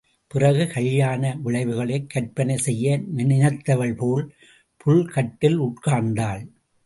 பிறகு கல்யாண விளைவுகளைக் கற்பனை செய்ய நினைத்தவள்போல் புல்கட்டில் உட்கார்ந்தாள்.